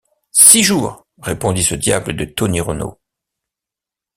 Six jours!... répondit ce diable de Tony Renault.